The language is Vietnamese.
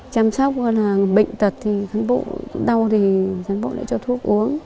chăm sóc bệnh tật thì cán bộ đau thì cán bộ lại cho thuốc uống